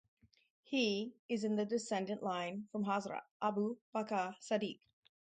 He is in the descendant line from Hazrat Abu Bakar Saddiq.